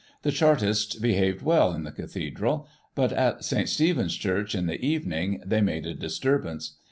The Chartists behaved well in the Cathedral ; but, at St Stephen's Church in the evening, they made a disturbance.